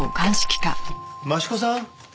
益子さん。